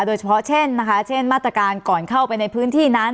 โดยเฉพาะเช่นนะคะเช่นมาตรการก่อนเข้าไปในพื้นที่นั้น